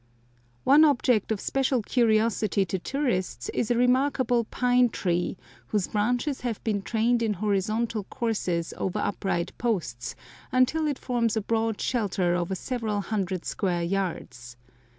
One object of special curiosity to tourists is a remarkable pine tree, whose branches have been trained in horizontal courses over upright posts, until it forms a broad shelter over several hundred square yards.